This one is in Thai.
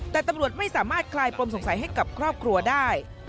แต่ตำรวจไม่สามารถคลายปมสงสัยให้กับครอบครัวได้